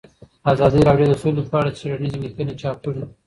ازادي راډیو د سوله په اړه څېړنیزې لیکنې چاپ کړي.